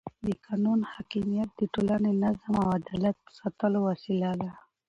د قانون حاکمیت د ټولنې د نظم او عدالت د ساتلو وسیله ده